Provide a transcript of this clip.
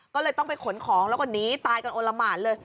ก็เลยต้องไปขนของแล้วก็หนีตายกันโอละหมานเลย